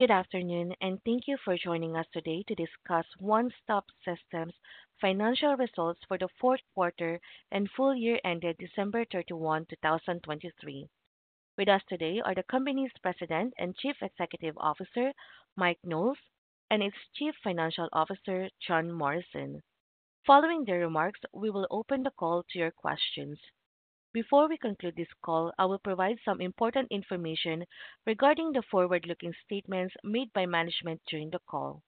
Good afternoon, and thank you for joining us today to discuss One Stop Systems' financial results for the Q4 and full year ended December 31, 2023. With us today are the company's President and Chief Executive Officer, Mike Knowles, and its Chief Financial Officer, John Morrison. Following their remarks, we will open the call to your questions. Before we conclude this call, I will provide some important information regarding the forward-looking statements made by management during the call.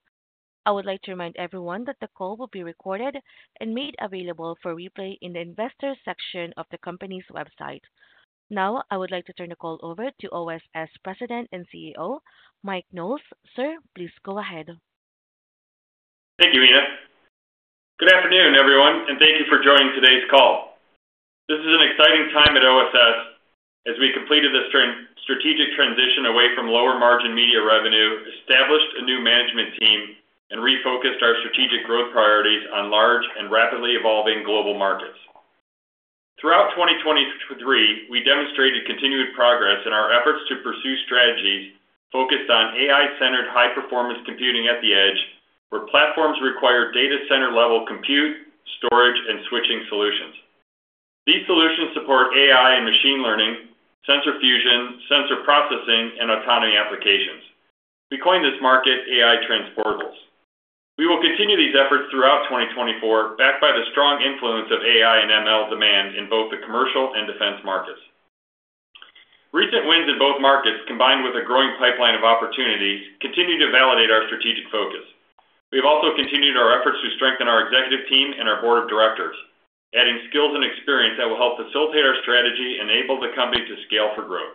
I would like to remind everyone that the call will be recorded and made available for replay in the investors' section of the company's website. Now, I would like to turn the call over to OSS President and CEO, Mike Knowles. Sir, please go ahead. Thank you, Ina. Good afternoon, everyone, and thank you for joining today's call. This is an exciting time at OSS as we completed this strategic transition away from lower margin media revenue, established a new management team, and refocused our strategic growth priorities on large and rapidly evolving global markets. Throughout 2023, we demonstrated continued progress in our efforts to pursue strategies focused on AI-centered high-performance computing at the edge, where platforms require data center-level compute, storage, and switching solutions. These solutions support AI and machine learning, sensor fusion, sensor processing, and autonomy applications. We coined this market AI Transportables. We will continue these efforts throughout 2024, backed by the strong influence of AI and ML demand in both the commercial and defense markets. Recent wins in both markets, combined with a growing pipeline of opportunities, continue to validate our strategic focus. We have also continued our efforts to strengthen our executive team and our board of directors, adding skills and experience that will help facilitate our strategy and enable the company to scale for growth.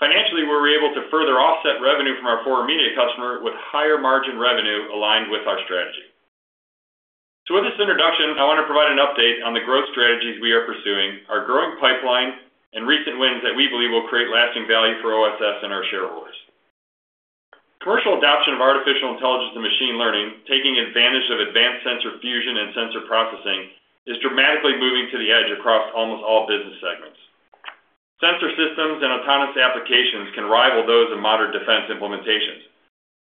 Financially, we were able to further offset revenue from our foreign media customer with higher margin revenue aligned with our strategy. So with this introduction, I want to provide an update on the growth strategies we are pursuing, our growing pipeline, and recent wins that we believe will create lasting value for OSS and our shareholders. Commercial adoption of artificial intelligence and machine learning, taking advantage of advanced sensor fusion and sensor processing, is dramatically moving to the edge across almost all business segments. Sensor systems and autonomous applications can rival those in modern defense implementations.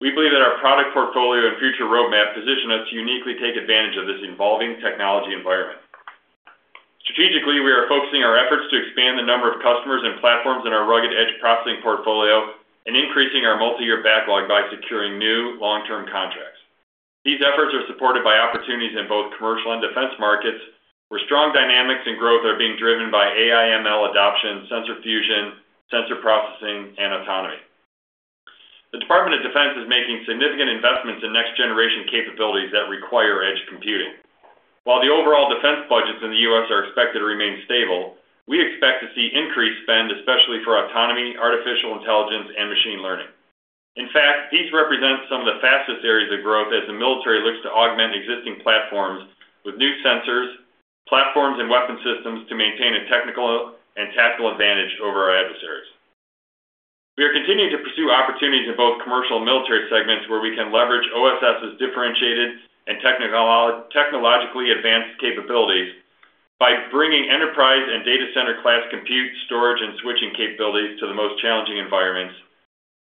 We believe that our product portfolio and future roadmap position us to uniquely take advantage of this evolving technology environment. Strategically, we are focusing our efforts to expand the number of customers and platforms in our rugged edge processing portfolio and increasing our multi-year backlog by securing new long-term contracts. These efforts are supported by opportunities in both commercial and defense markets, where strong dynamics and growth are being driven by AI/ML adoption, sensor fusion, sensor processing, and autonomy. The Department of Defense is making significant investments in next-generation capabilities that require edge computing. While the overall defense budgets in the U.S. are expected to remain stable, we expect to see increased spend, especially for autonomy, artificial intelligence, and machine learning. In fact, these represent some of the fastest areas of growth as the military looks to augment existing platforms with new sensors, platforms, and weapon systems to maintain a technical and tactical advantage over our adversaries. We are continuing to pursue opportunities in both commercial and military segments where we can leverage OSS's differentiated and technologically advanced capabilities by bringing enterprise and data center-class compute, storage, and switching capabilities to the most challenging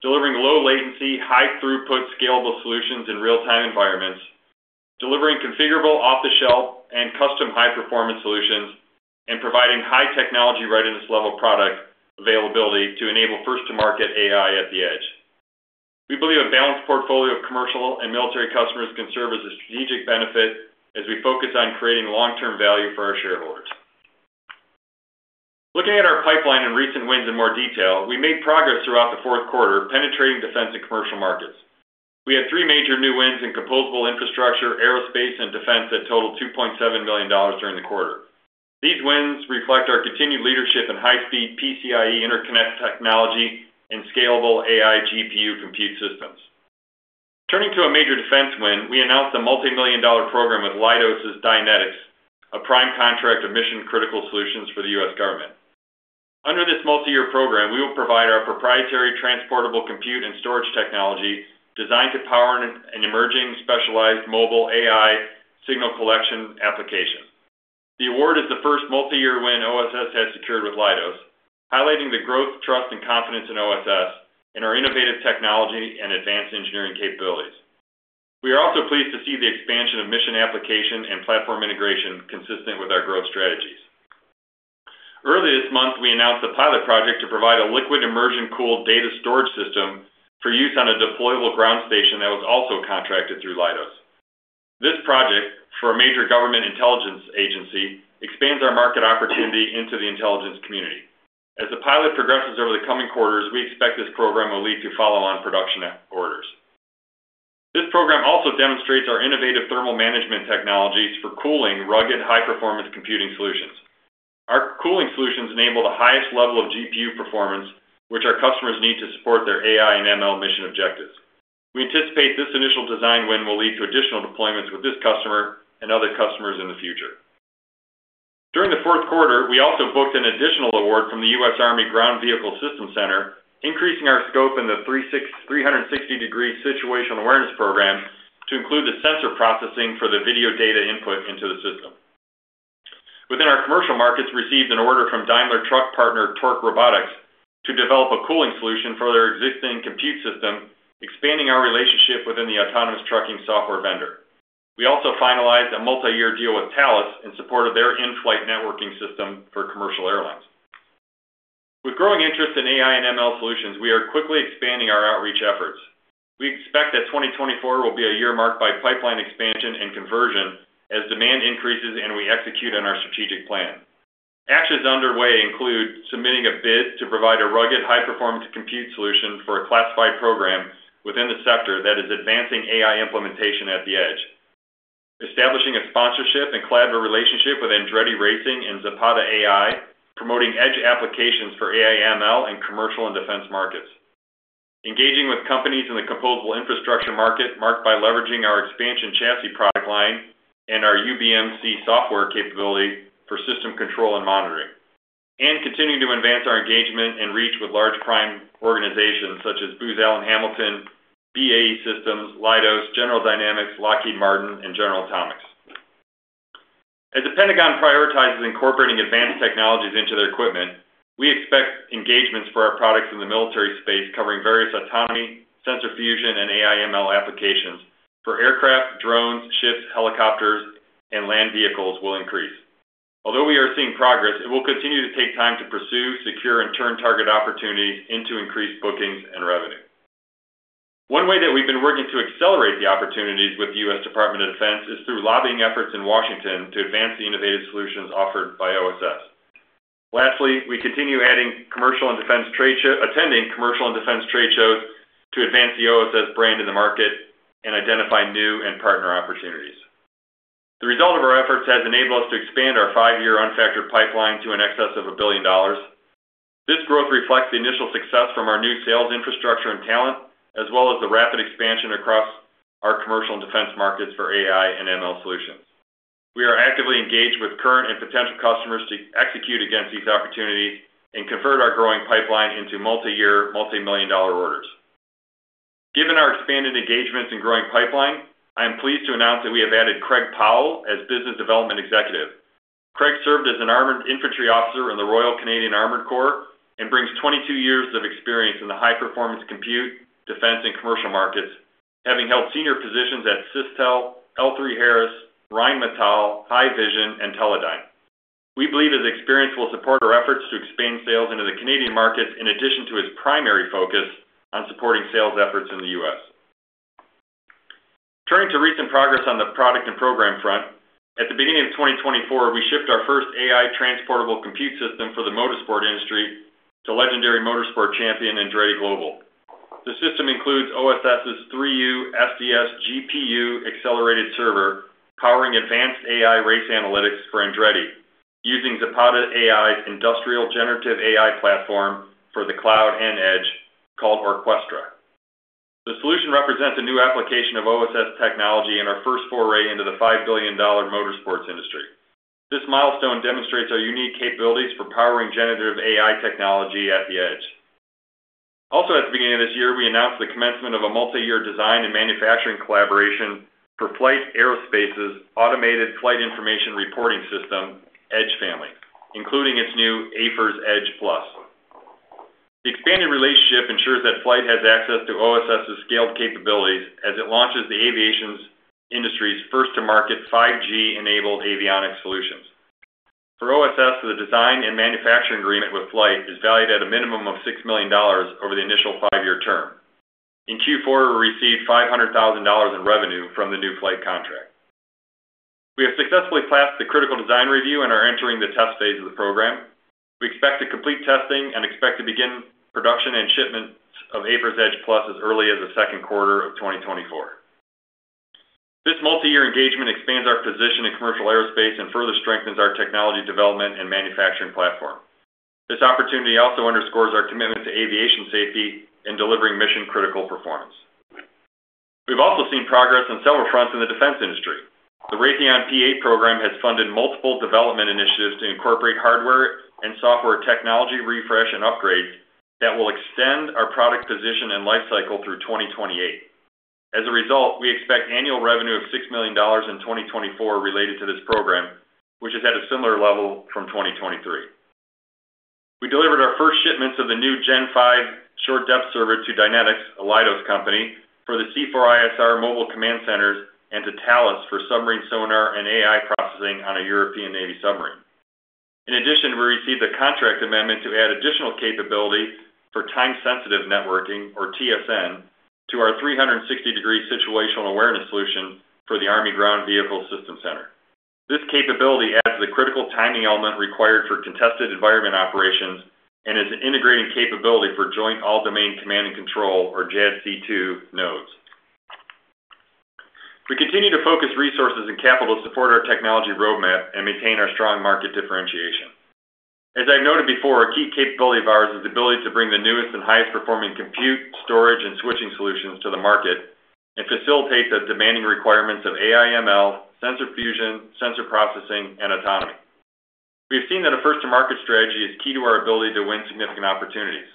environments, delivering low latency, high throughput, scalable solutions in real-time environments, delivering configurable off-the-shelf and custom high-performance solutions, and providing high technology readiness level product availability to enable first-to-market AI at the edge. We believe a balanced portfolio of commercial and military customers can serve as a strategic benefit as we focus on creating long-term value for our shareholders. Looking at our pipeline and recent wins in more detail, we made progress throughout the Q4, penetrating defense and commercial markets. We had three major new wins in composable infrastructure, aerospace, and defense that totaled $2.7 million during the quarter. These wins reflect our continued leadership in high-speed PCIe interconnect technology and scalable AI GPU compute systems. Turning to a major defense win, we announced a multimillion-dollar program with Dynetics, a prime contractor of mission-critical solutions for the U.S. government. Under this multi-year program, we will provide our proprietary transportable compute and storage technology designed to power an emerging specialized mobile AI signal collection application. The award is the first multi-year win OSS has secured with Dynetics, highlighting the growth, trust, and confidence in OSS and our innovative technology and advanced engineering capabilities. We are also pleased to see the expansion of mission application and platform integration consistent with our growth strategies. Earlier this month, we announced a pilot project to provide a liquid immersion-cooled data storage system for use on a deployable ground station that was also contracted through Dynetics. This project for a major government intelligence agency expands our market opportunity into the intelligence community. As the pilot progresses over the coming quarters, we expect this program will lead to follow-on production orders. This program also demonstrates our innovative thermal management technologies for cooling rugged high-performance computing solutions. Our cooling solutions enable the highest level of GPU performance, which our customers need to support their AI and ML mission objectives. We anticipate this initial design win will lead to additional deployments with this customer and other customers in the future. During the Q4, we also booked an additional award from the U.S. Army Ground Vehicle Systems Center, increasing our scope in the 360-degree situational awareness program to include the sensor processing for the video data input into the system. Within our commercial markets, we received an order from Daimler Truck partner Torc Robotics to develop a cooling solution for their existing compute system, expanding our relationship within the autonomous trucking software vendor. We also finalized a multi-year deal with Thales in support of their InFlyt networking system for commercial airlines. With growing interest in AI and ML solutions, we are quickly expanding our outreach efforts. We expect that 2024 will be a year marked by pipeline expansion and conversion as demand increases and we execute on our strategic plan. Actions underway include submitting a bid to provide a rugged high-performance compute solution for a classified program within the sector that is advancing AI implementation at the edge, establishing a sponsorship and collaborative relationship with Andretti Global and Zapata AI, promoting edge applications for AI/ML in commercial and defense markets, engaging with companies in the composable infrastructure market marked by leveraging our expansion chassis product line and our UBMC software capability for system control and monitoring, and continuing to advance our engagement and reach with large prime organizations such as Booz Allen Hamilton, BAE Systems, Leidos, General Dynamics, Lockheed Martin, and General Atomics. As the Pentagon prioritizes incorporating advanced technologies into their equipment, we expect engagements for our products in the military space covering various autonomy, sensor fusion, and AI/ML applications for aircraft, drones, ships, helicopters, and land vehicles will increase. Although we are seeing progress, it will continue to take time to pursue, secure, and turn target opportunities into increased bookings and revenue. One way that we've been working to accelerate the opportunities with the U.S. Department of Defense is through lobbying efforts in Washington to advance the innovative solutions offered by OSS. Lastly, we continue attending commercial and defense trade shows to advance the OSS brand in the market and identify new and partner opportunities. The result of our efforts has enabled us to expand our five-year unfactored pipeline to an excess of $1 billion. This growth reflects the initial success from our new sales infrastructure and talent, as well as the rapid expansion across our commercial and defense markets for AI and ML solutions. We are actively engaged with current and potential customers to execute against these opportunities and convert our growing pipeline into multi-year, multimillion-dollar orders. Given our expanded engagements and growing pipeline, I am pleased to announce that we have added Craig Powell as business development executive. Craig served as an armored infantry officer in the Royal Canadian Armored Corps and brings 22 years of experience in the high-performance compute, defense, and commercial markets, having held senior positions at Systel, L3Harris, Rheinmetall, Haivision, and Teledyne. We believe his experience will support our efforts to expand sales into the Canadian markets in addition to his primary focus on supporting sales efforts in the U.S. Turning to recent progress on the product and program front, at the beginning of 2024, we shipped our first AI Transportable compute system for the motorsport industry to legendary motorsport champion Andretti Global. The system includes OSS's 3U SDS GPU accelerated server powering advanced AI race analytics for Andretti, using Zapata AI's industrial generative AI platform for the cloud and edge called Orquestra. The solution represents a new application of OSS technology in our first foray into the $5 billion motorsports industry. This milestone demonstrates our unique capabilities for powering generative AI technology at the edge. Also, at the beginning of this year, we announced the commencement of a multi-year design and manufacturing collaboration for FLYHT Aerospace's automated flight information reporting system, Edge Family, including its new AFIRS Edge+. The expanded relationship ensures that FLYHT has access to OSS's scaled capabilities as it launches the aviation industry's first-to-market 5G-enabled avionics solutions. For OSS, the design and manufacturing agreement with FLYHT is valued at a minimum of $6 million over the initial five-year term. In Q4, we received $500,000 in revenue from the new FLYHT contract. We have successfully passed the critical design review and are entering the test phase of the program. We expect to complete testing and expect to begin production and shipment of AFIRS Edge+ as early as the Q2 of 2024. This multi-year engagement expands our position in commercial aerospace and further strengthens our technology development and manufacturing platform. This opportunity also underscores our commitment to aviation safety and delivering mission-critical performance. We've also seen progress on several fronts in the defense industry. The Raytheon P-8 program has funded multiple development initiatives to incorporate hardware and software technology refresh and upgrades that will extend our product position and lifecycle through 2028. As a result, we expect annual revenue of $6 million in 2024 related to this program, which is at a similar level from 2023. We delivered our first shipments of the new Gen 5 Short Depth Server to Dynetics, a Leidos company, for the C4ISR mobile command centers and to Thales for submarine sonar and AI processing on a European Navy submarine. In addition, we received a contract amendment to add additional capability for time-sensitive networking, or TSN, to our 360-degree situational awareness solution for the Army Ground Vehicle Systems Center. This capability adds the critical timing element required for contested environment operations and is an integrating capability for Joint All-Domain Command and Control, or JADC2, nodes. We continue to focus resources and capital to support our technology roadmap and maintain our strong market differentiation. As I've noted before, a key capability of ours is the ability to bring the newest and highest performing compute, storage, and switching solutions to the market and facilitate the demanding requirements of AI/ML, sensor fusion, sensor processing, and autonomy. We have seen that a first-to-market strategy is key to our ability to win significant opportunities.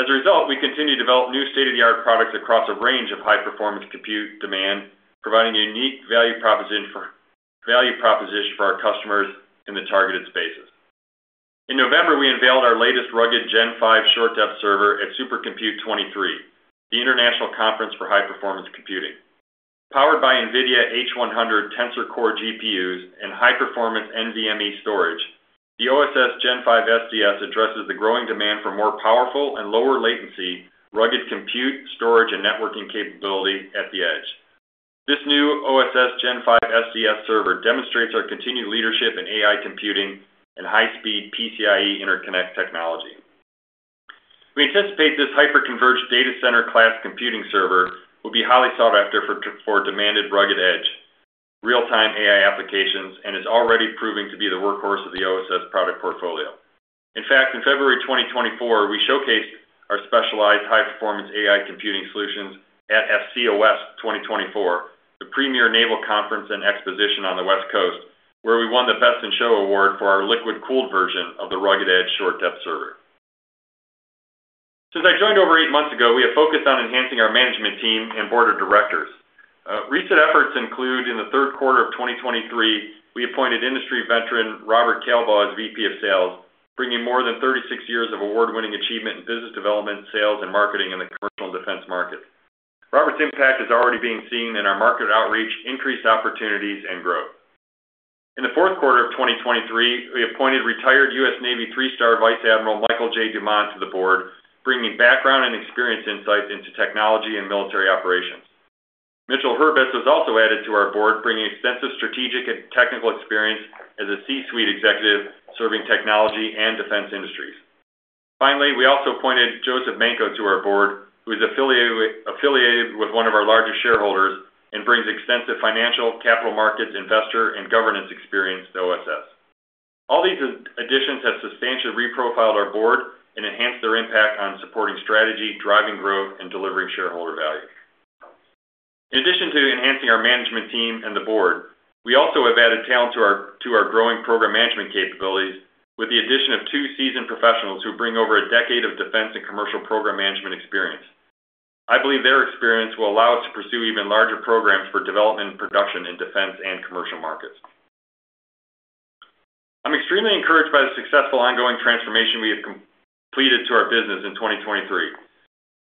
As a result, we continue to develop new state-of-the-art products across a range of high-performance compute demand, providing a unique value proposition for our customers in the targeted spaces. In November, we unveiled our latest rugged Gen 5 Short Depth Server at Supercomputing 2023, the international conference for high-performance computing. Powered by NVIDIA H100 Tensor Core GPUs and high-performance NVMe storage, the OSS Gen 5 SDS addresses the growing demand for more powerful and lower latency rugged compute, storage, and networking capability at the edge. This new OSS Gen 5 SDS server demonstrates our continued leadership in AI computing and high-speed PCIe interconnect technology. We anticipate this hyper-converged data center-class computing server will be highly sought after for demanded rugged edge, real-time AI applications, and is already proving to be the workhorse of the OSS product portfolio. In fact, in February 2024, we showcased our specialized high-performance AI computing solutions at AFCEA West 2024, the premier naval conference and exposition on the West Coast, where we won the Best in Show Award for our liquid-cooled version of the rugged edge short depth server. Since I joined over eight months ago, we have focused on enhancing our management team and board of directors. Recent efforts include, in the Q3 of 2023, we appointed industry veteran Robert Kalebaugh as VP of Sales, bringing more than 36 years of award-winning achievement in business development, sales, and marketing in the commercial and defense markets. Robert's impact is already being seen in our market outreach, increased opportunities, and growth. In the Q4 of 2023, we appointed retired U.S. Navy three-star Vice Admiral Michael Dumont to the board, bringing background and experience insights into technology and military operations. Mitchell Herbert was also added to our board, bringing extensive strategic and technical experience as a C-suite executive serving technology and defense industries. Finally, we also appointed Joseph Manko to our board, who is affiliated with one of our largest shareholders and brings extensive financial, capital markets, investor, and governance experience to OSS. All these additions have substantially reprofiled our board and enhanced their impact on supporting strategy, driving growth, and delivering shareholder value. In addition to enhancing our management team and the board, we also have added talent to our growing program management capabilities with the addition of two seasoned professionals who bring over a decade of defense and commercial program management experience. I believe their experience will allow us to pursue even larger programs for development and production in defense and commercial markets. I'm extremely encouraged by the successful ongoing transformation we have completed to our business in 2023.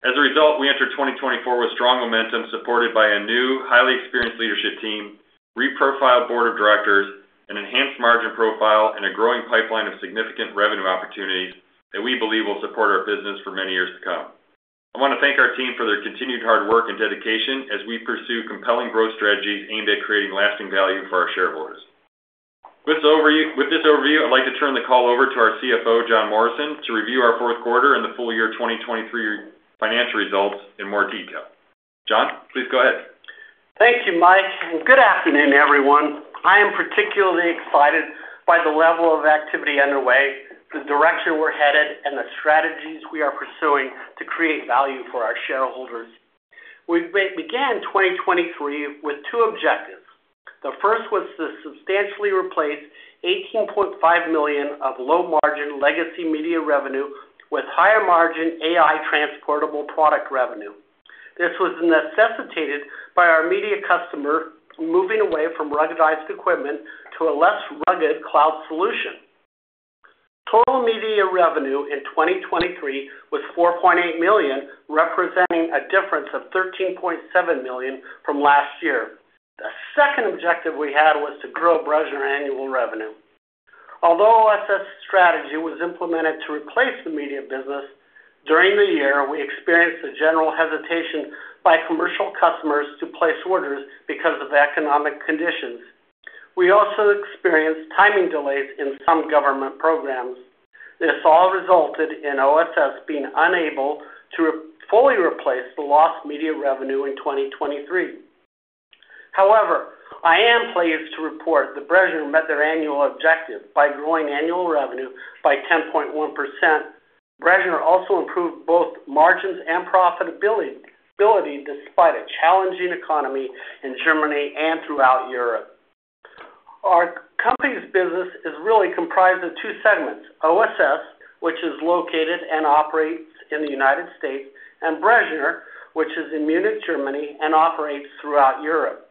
As a result, we enter 2024 with strong momentum supported by a new, highly experienced leadership team, reprofiled board of directors, an enhanced margin profile, and a growing pipeline of significant revenue opportunities that we believe will support our business for many years to come. I want to thank our team for their continued hard work and dedication as we pursue compelling growth strategies aimed at creating lasting value for our shareholders. With this overview, I'd like to turn the call over to our CFO, John Morrison, to review our Q4 and the full year 2023 financial results in more detail. John, please go ahead. Thank you, Mike. Good afternoon, everyone. I am particularly excited by the level of activity underway, the direction we're headed, and the strategies we are pursuing to create value for our shareholders. We began 2023 with two objectives. The first was to substantially replace $18.5 million of low-margin legacy media revenue with higher-margin AI Transportable product revenue. This was necessitated by our media customer moving away from ruggedized equipment to a less rugged cloud solution. Total media revenue in 2023 was $4.8 million, representing a difference of $13.7 million from last year. The second objective we had was to grow Bressner annual revenue. Although OSS's strategy was implemented to replace the media business, during the year, we experienced a general hesitation by commercial customers to place orders because of economic conditions. We also experienced timing delays in some government programs. This all resulted in OSS being unable to fully replace the lost media revenue in 2023. However, I am pleased to report that Bressner met their annual objective by growing annual revenue by 10.1%. Bressner also improved both margins and profitability despite a challenging economy in Germany and throughout Europe. Our company's business is really comprised of two segments: OSS, which is located and operates in the United States, and Bressner, which is in Munich, Germany, and operates throughout Europe.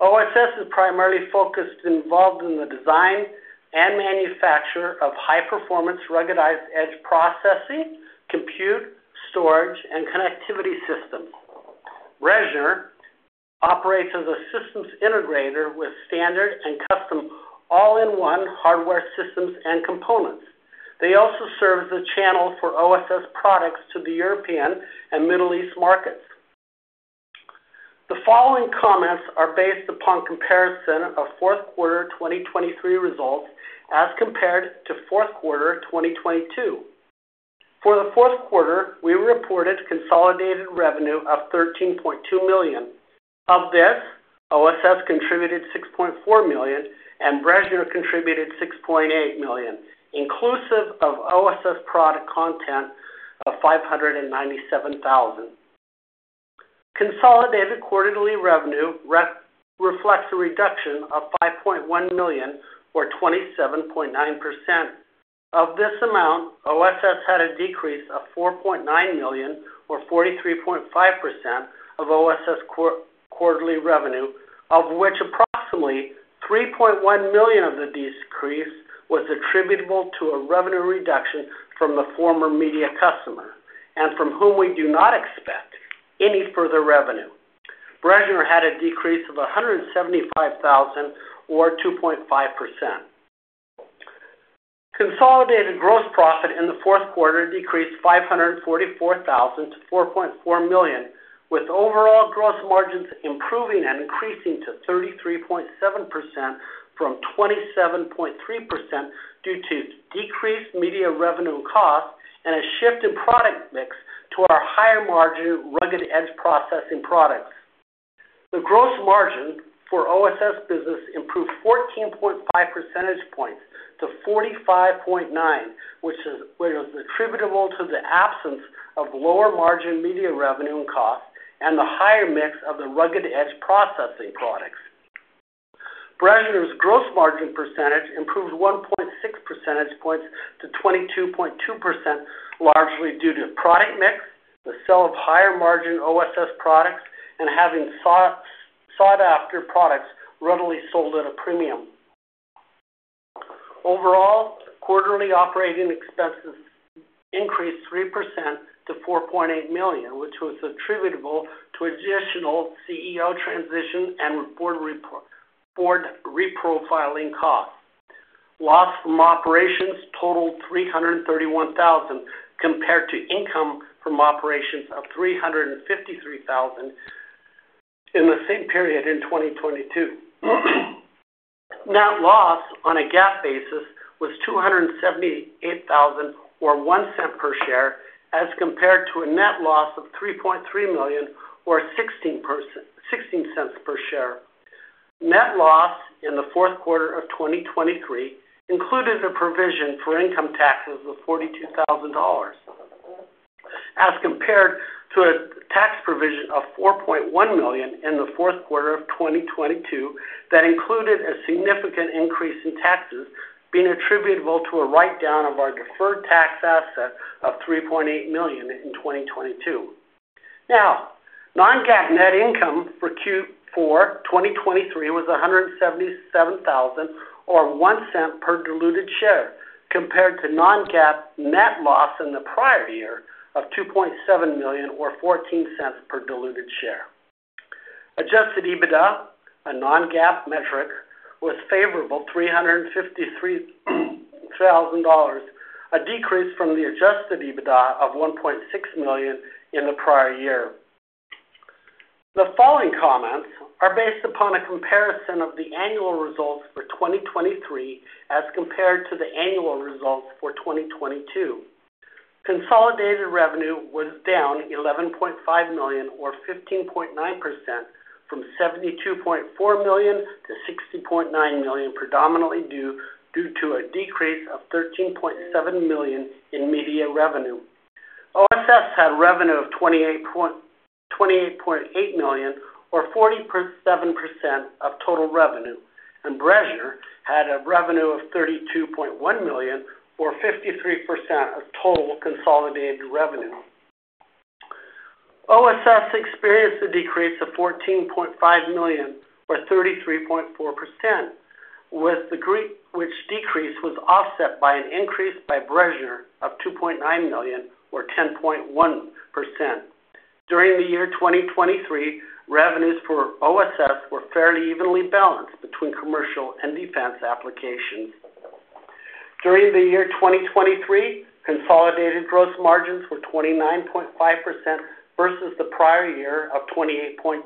OSS is primarily focused and involved in the design and manufacture of high-performance ruggedized edge processing, compute, storage, and connectivity systems. Bressner operates as a systems integrator with standard and custom all-in-one hardware systems and components. They also serve as a channel for OSS products to the European and Middle East markets. The following comments are based upon comparison of Q4 2023 results as compared to Q4 2022. For the Q4, we reported consolidated revenue of $13.2 million. Of this, OSS contributed $6.4 million, and Bressner contributed $6.8 million, inclusive of OSS product content of $597,000. Consolidated quarterly revenue reflects a reduction of $5.1 million, or 27.9%. Of this amount, OSS had a decrease of $4.9 million, or 43.5%, of OSS quarterly revenue, of which approximately $3.1 million of the decrease was attributable to a revenue reduction from the former media customer and from whom we do not expect any further revenue. Bressner had a decrease of $175,000, or 2.5%. Consolidated gross profit in the Q4 decreased $544,000-$4.4 million, with overall gross margins improving and increasing to 33.7% from 27.3% due to decreased media revenue costs and a shift in product mix to our higher-margin rugged edge processing products. The gross margin for OSS business improved 14.5 percentage points to 45.9%, which was attributable to the absence of lower-margin media revenue costs and the higher mix of the rugged edge processing products. Bressner's gross margin percentage improved 1.6 percentage points to 22.2%, largely due to product mix, the sale of higher-margin OSS products, and having sought-after products readily sold at a premium. Overall, quarterly operating expenses increased 3% to $4.8 million, which was attributable to additional CEO transition and board reprofiling costs. Loss from operations totaled $331,000 compared to income from operations of $353,000 in the same period in 2022. Net loss on a GAAP basis was $278,000, or $0.01 per share, as compared to a net loss of $3.3 million, or $0.16 per share. Net loss in the Q4 of 2023 included a provision for income taxes of $42,000, as compared to a tax provision of $4.1 million in the fourth quarter of 2022 that included a significant increase in taxes being attributable to a write-down of our deferred tax asset of $3.8 million in 2022. Now, non-GAAP net income for Q4 2023 was $177,000, or $0.01 per diluted share, compared to non-GAAP net loss in the prior year of $2.7 million, or $0.14 per diluted share. Adjusted EBITDA, a non-GAAP metric, was favorable $353,000, a decrease from the Adjusted EBITDA of $1.6 million in the prior year. The following comments are based upon a comparison of the annual results for 2023 as compared to the annual results for 2022. Consolidated revenue was down $11.5 million, or 15.9%, from $72.4 million to $60.9 million, predominantly due to a decrease of $13.7 million in media revenue. OSS had revenue of $28.8 million, or 47% of total revenue, and Bressner had a revenue of $32.1 million, or 53% of total consolidated revenue. OSS experienced a decrease of $14.5 million, or 33.4%, with the decrease was offset by an increase by Bressner of $2.9 million, or 10.1%. During the year 2023, revenues for OSS were fairly evenly balanced between commercial and defense applications. During the year 2023, consolidated gross margins were 29.5% versus the prior year of 28.2%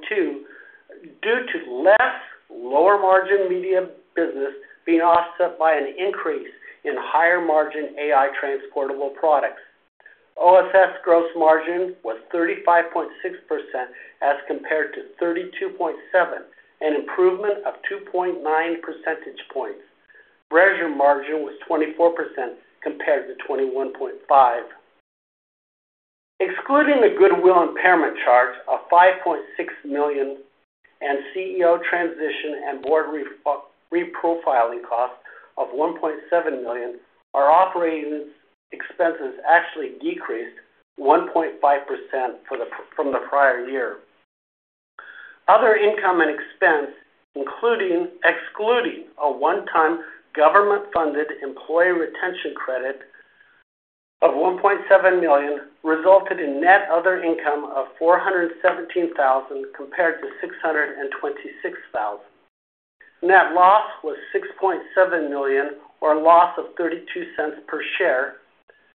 due to less lower-margin media business being offset by an increase in higher-margin AI Transportable products. OSS gross margin was 35.6% as compared to 32.7%, an improvement of 2.9 percentage points. Bressner margin was 24% compared to 21.5%. Excluding the goodwill impairment charge of $5.6 million and CEO transition and board reprofiling costs of $1.7 million, our operating expenses actually decreased 1.5% from the prior year. Other income and expense, excluding a one-time government-funded employee retention credit of $1.7 million, resulted in net other income of $417,000 compared to $626,000. Net loss was $6.7 million, or a loss of $0.32 per share,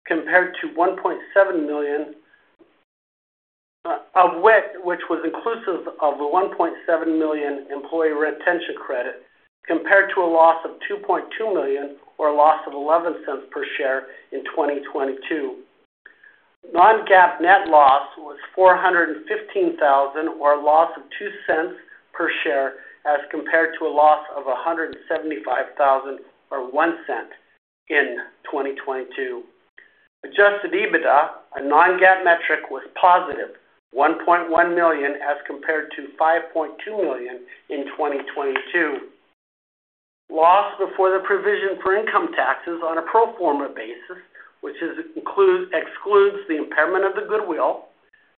compared to $1.7 million, which was inclusive of the $1.7 million employee retention credit, compared to a loss of $2.2 million, or a loss of $0.11 per share in 2022. Non-GAAP net loss was $415,000, or a loss of $0.02 per share as compared to a loss of $175,000, or $0.01, in 2022. Adjusted EBITDA, a non-GAAP metric, was positive $1.1 million as compared to $5.2 million in 2022. Loss before the provision for income taxes on a pro forma basis, which excludes the impairment of the goodwill,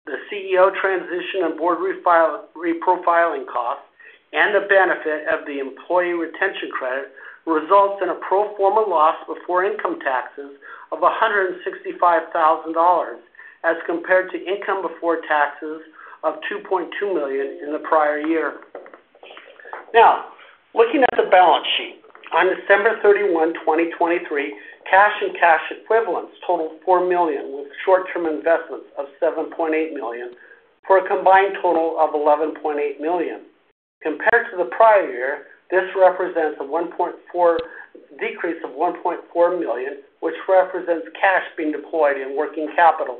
the CEO transition and board reprofiling costs, and the benefit of the employee retention credit, results in a pro forma loss before income taxes of $165,000 as compared to income before taxes of $2.2 million in the prior year. Now, looking at the balance sheet, on December 31, 2023, cash and cash equivalents totaled $4 million, with short-term investments of $7.8 million for a combined total of $11.8 million. Compared to the prior year, this represents a decrease of $1.4 million, which represents cash being deployed in working capital.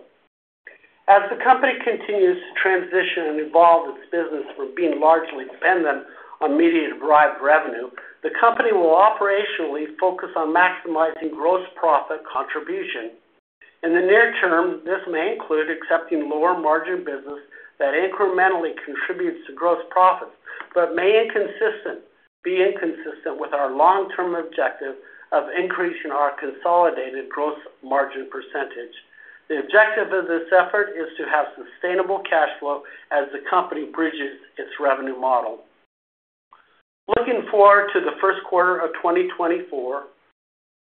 As the company continues to transition and evolve its business from being largely dependent on media-derived revenue, the company will operationally focus on maximizing gross profit contribution. In the near term, this may include accepting lower-margin business that incrementally contributes to gross profits but may be inconsistent with our long-term objective of increasing our consolidated gross margin percentage. The objective of this effort is to have sustainable cash flow as the company bridges its revenue model. Looking forward to the Q1 of 2024,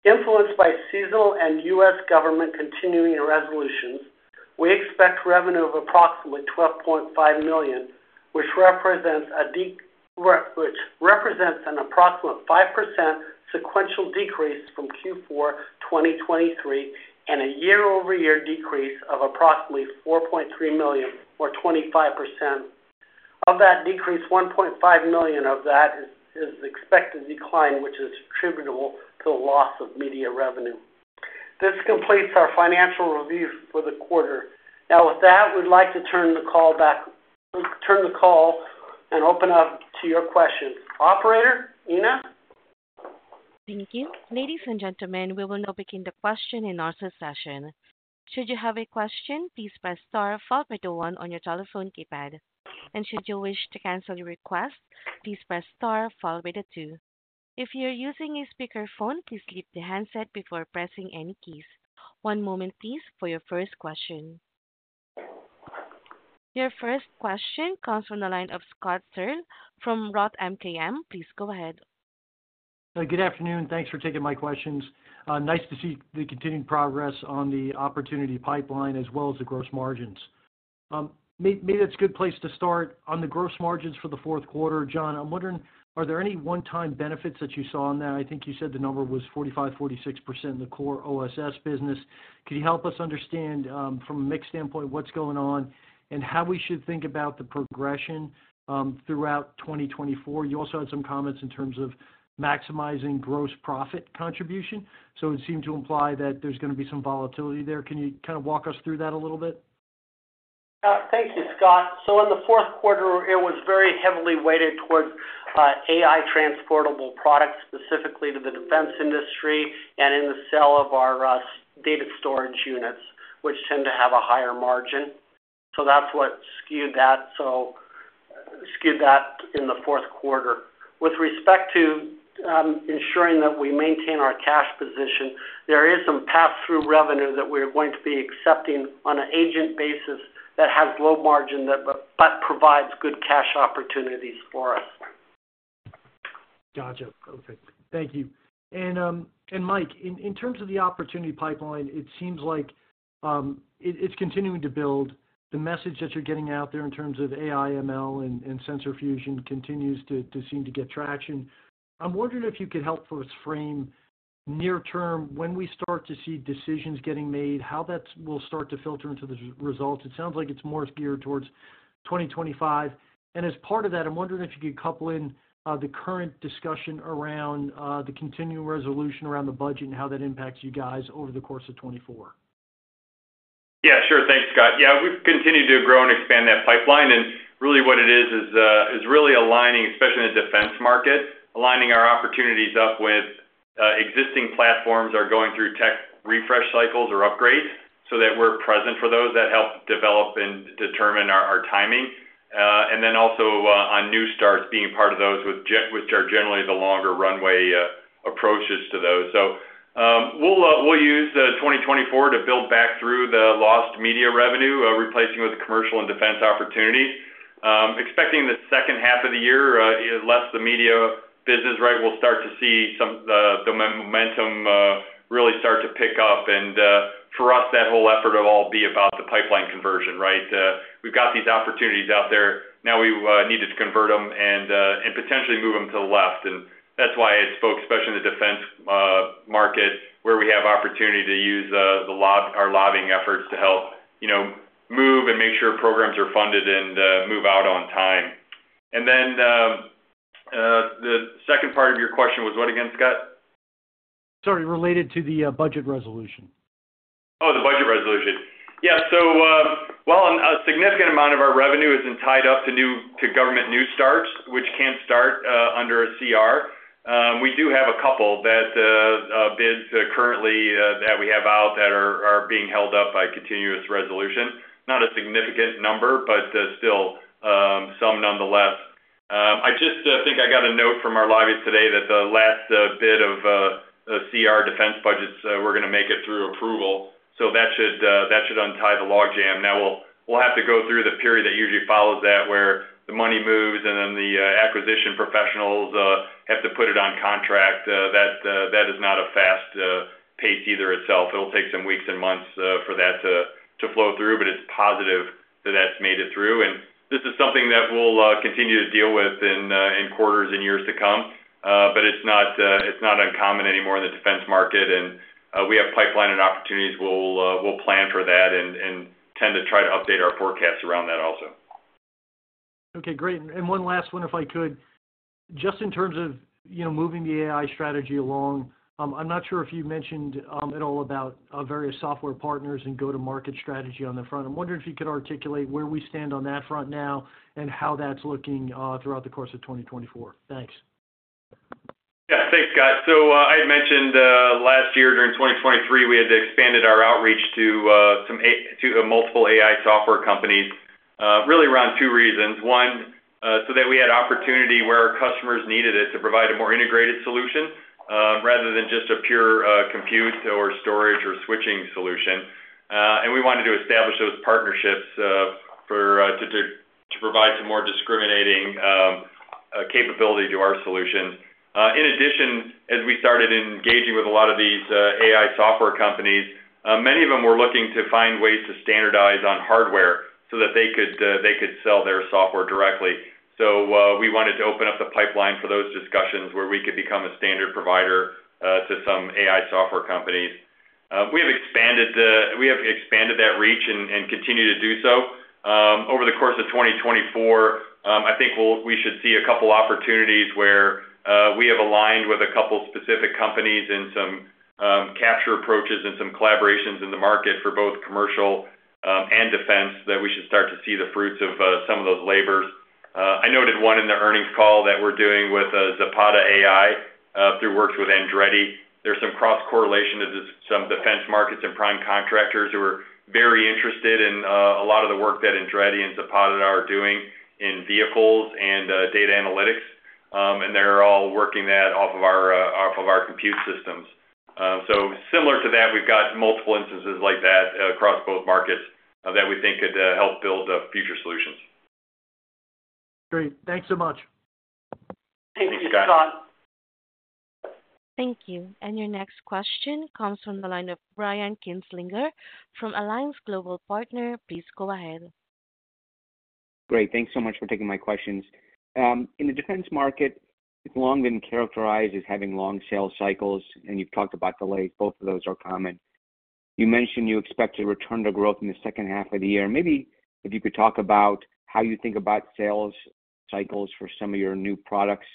influenced by seasonal and U.S. government continuing resolutions, we expect revenue of approximately $12.5 million, which represents an approximate 5% sequential decrease from Q4 2023 and a year-over-year decrease of approximately $4.3 million, or 25%. Of that decrease, $1.5 million of that is expected to decline, which is attributable to the loss of media revenue. This completes our financial review for the quarter. Now, with that, we'd like to turn the call back and open up to your questions. Operator, Ina? Thank you. Ladies and gentlemen, we will now begin the question and answer session. Should you have a question, please press star followed by the 1 on your telephone keypad. And should you wish to cancel your request, please press star followed by the 2. If you're using a speakerphone, please leave the handset before pressing any keys. One moment, please, for your first question. Your first question comes from the line of Scott Searle from Roth MKM. Please go ahead. Good afternoon. Thanks for taking my questions. Nice to see the continued progress on the opportunity pipeline as well as the gross margins. Maybe that's a good place to start. On the gross margins for the Q4, John, I'm wondering, are there any one-time benefits that you saw on that? I think you said the number was 45%-46% in the core OSS business. Could you help us understand, from a mixed standpoint, what's going on and how we should think about the progression throughout 2024? You also had some comments in terms of maximizing gross profit contribution. So it seemed to imply that there's going to be some volatility there. Can you kind of walk us through that a little bit? Thank you, Scott. So in the Q4, it was very heavily weighted towards AI Transportable products, specifically to the defense industry and in the sale of our data storage units, which tend to have a higher margin. So that's what skewed that in the Q4. With respect to ensuring that we maintain our cash position, there is some pass-through revenue that we are going to be accepting on an agent basis that has low margin but provides good cash opportunities for us. Gotcha. Okay. Thank you. And Mike, in terms of the opportunity pipeline, it seems like it's continuing to build. The message that you're getting out there in terms of AI/ML and sensor fusion continues to seem to get traction. I'm wondering if you could help us frame near-term, when we start to see decisions getting made, how that will start to filter into the results. It sounds like it's more geared towards 2025. As part of that, I'm wondering if you could couple in the current discussion around the continuing resolution around the budget and how that impacts you guys over the course of 2024. Yeah. Sure. Thanks, Scott. Yeah. We've continued to grow and expand that pipeline. Really, what it is is really aligning, especially in the defense market, aligning our opportunities up with existing platforms that are going through tech refresh cycles or upgrades so that we're present for those that help develop and determine our timing. Then also on new starts, being part of those with generally the longer runway approaches to those. So we'll use 2024 to build back through the lost DoD revenue, replacing with commercial and defense opportunities. Expecting the second half of the year, unless the media business, right, we'll start to see the momentum really start to pick up. For us, that whole effort will all be about the pipeline conversion, right? We've got these opportunities out there. Now, we need to convert them and potentially move them to the left. That's why I had spoke, especially in the defense market, where we have opportunity to use our lobbying efforts to help move and make sure programs are funded and move out on time. Then the second part of your question was what again, Scott? Sorry. Related to the budget resolution. Oh, the budget resolution. Yeah. Well, a significant amount of our revenue is tied up to government new starts, which can't start under a CR. We do have a couple of bids currently that we have out that are being held up by continuing resolution. Not a significant number, but still some, nonetheless. I just think I got a note from our lobbyists today that the latest on CR defense budgets, we're going to make it through approval. So that should untie the logjam. Now, we'll have to go through the period that usually follows that, where the money moves, and then the acquisition professionals have to put it on contract. That is not a fast pace either itself. It'll take some weeks and months for that to flow through. But it's positive that that's made it through. And this is something that we'll continue to deal with in quarters and years to come. But it's not uncommon anymore in the defense market. And we have pipeline and opportunities. We'll plan for that and tend to try to update our forecasts around that also. Okay. Great. And one last one, if I could. Just in terms of moving the AI strategy along, I'm not sure if you mentioned at all about various software partners and go-to-market strategy on the front. I'm wondering if you could articulate where we stand on that front now and how that's looking throughout the course of 2024. Thanks. Yeah. Thanks, Scott. So I had mentioned last year, during 2023, we had expanded our outreach to multiple AI software companies, really around two reasons. One, so that we had opportunity where our customers needed it to provide a more integrated solution rather than just a pure compute or storage or switching solution. And we wanted to establish those partnerships to provide some more discriminating capability to our solutions. In addition, as we started engaging with a lot of these AI software companies, many of them were looking to find ways to standardize on hardware so that they could sell their software directly. So we wanted to open up the pipeline for those discussions where we could become a standard provider to some AI software companies. We have expanded that reach and continue to do so. Over the course of 2024, I think we should see a couple of opportunities where we have aligned with a couple of specific companies and some capture approaches and some collaborations in the market for both commercial and defense that we should start to see the fruits of some of those labors. I noted one in the earnings call that we're doing with Zapata AI through works with Andretti. There's some cross-correlation to some defense markets and prime contractors who are very interested in a lot of the work that Andretti and Zapata are doing in vehicles and data analytics. And they're all working that off of our compute systems. So similar to that, we've got multiple instances like that across both markets that we think could help build future solutions. Great. Thanks so much. Thanks, Scott. Thank you. And your next question comes from the line of Brian Kinstlinger from Alliance Global Partners. Please go ahead. Great. Thanks so much for taking my questions. In the defense market, it's long been characterized as having long sales cycles. And you've talked about delays. Both of those are common. You mentioned you expect a return to growth in the second half of the year. Maybe if you could talk about how you think about sales cycles for some of your new products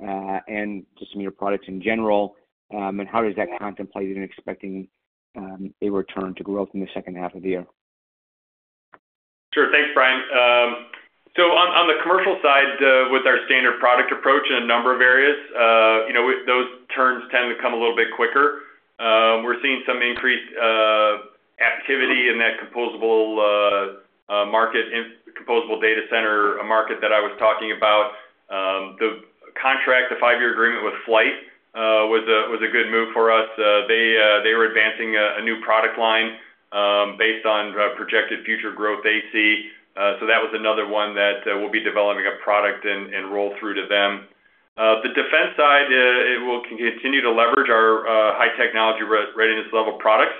and just some of your products in general, and how does that contemplate in expecting a return to growth in the second half of the year? Sure. Thanks, Brian. So on the commercial side, with our standard product approach in a number of areas, those turns tend to come a little bit quicker. We're seeing some increased activity in that composable market, composable data center market that I was talking about. The contract, the 5-year agreement with FLYHT, was a good move for us. They were advancing a new product line based on projected future growth they see. So that was another one that we'll be developing a product and roll through to them. The defense side, it will continue to leverage our high-technology readiness level products.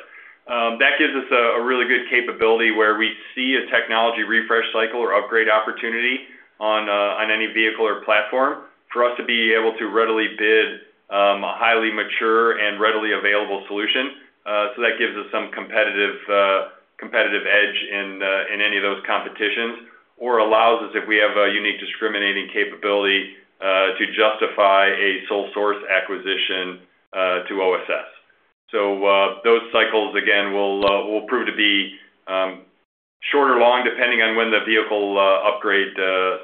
That gives us a really good capability where we see a technology refresh cycle or upgrade opportunity on any vehicle or platform for us to be able to readily bid a highly mature and readily available solution. So that gives us some competitive edge in any of those competitions or allows us, if we have a unique discriminating capability, to justify a sole-source acquisition to OSS. So those cycles, again, will prove to be shorter or longer, depending on when the vehicle upgrade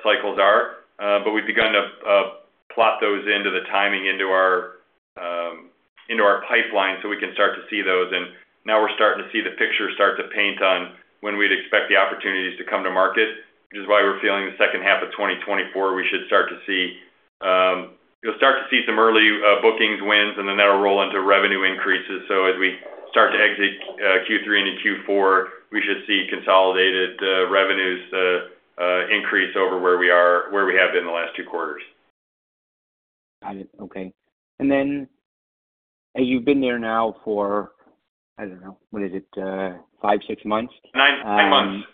cycles are. But we've begun to plot those into the timing, into our pipeline, so we can start to see those. Now, we're starting to see the picture start to paint on when we'd expect the opportunities to come to market, which is why we're feeling the second half of 2024. We should start to see, you'll start to see, some early bookings wins, and then that'll roll into revenue increases. So as we start to exit Q3 into Q4, we should see consolidated revenues increase over where we have been the last 2 quarters. Got it. Okay. And then you've been there now for, I don't know, what is it, 5, 6 months? 9 months.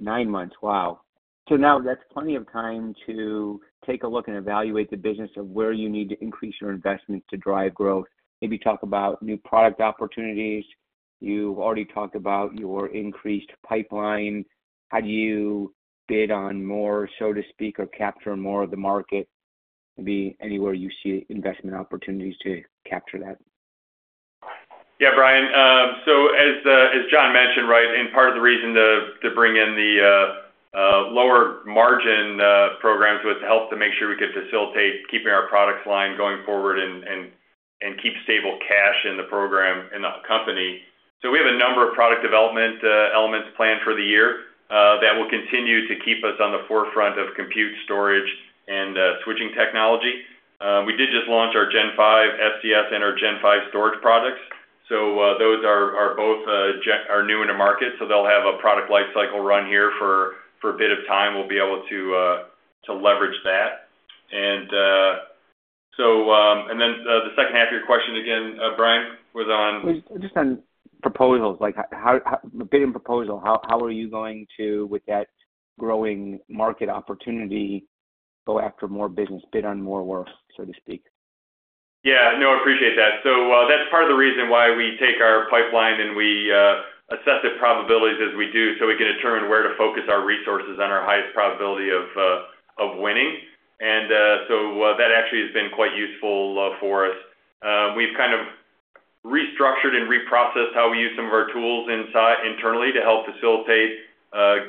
9 months. Wow. So now, that's plenty of time to take a look and evaluate the business of where you need to increase your investments to drive growth, maybe talk about new product opportunities. You already talked about your increased pipeline. How do you bid on more, so to speak, or capture more of the market? Maybe anywhere you see investment opportunities to capture that. Yeah, Brian. So as John mentioned, right, and part of the reason to bring in the lower-margin programs was to help to make sure we could facilitate keeping our product line going forward and keep stable cash in the program in the company. So we have a number of product development elements planned for the year that will continue to keep us on the forefront of compute, storage, and switching technology. We did just launch our Gen 5 SDS and our Gen 5 storage products. So those are both new to market. So they'll have a product lifecycle run here for a bit of time. We'll be able to leverage that. And then the second half of your question, again, Brian, was on. Just on proposals. Bidding proposal, how are you going to, with that growing market opportunity, go after more business, bid on more work, so to speak? Yeah. No, I appreciate that. So that's part of the reason why we take our pipeline, and we assess the probabilities as we do so we can determine where to focus our resources on our highest probability of winning. And so that actually has been quite useful for us. We've kind of restructured and reprocessed how we use some of our tools internally to help facilitate